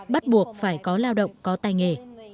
bắt buộc phải có lao động có tài nghề